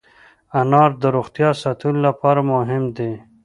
انار د روغتیا ساتلو لپاره مهم دی.